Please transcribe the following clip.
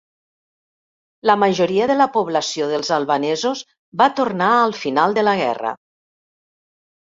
La majoria de la població dels albanesos va tornar al final de la guerra.